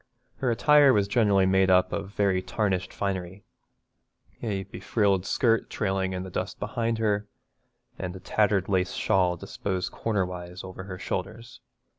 Her attire was generally made up of very tarnished finery, a befrilled skirt trailing in the dust behind her, and a tattered lace shawl disposed corner wise over her shoulders.